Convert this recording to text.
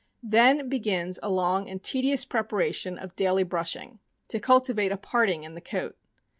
Then begins a long and tedious preparation of daily brushing, to cultivate a parting in the coat.